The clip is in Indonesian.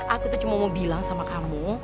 aku tuh cuma mau bilang sama kamu